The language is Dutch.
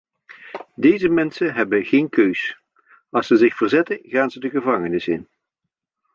Deze mensen hebben geen keus: als ze zich verzetten, gaan ze de gevangenis in.